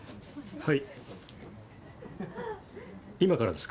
はい。